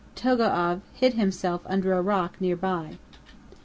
Togo'av hid himself under a rock near by.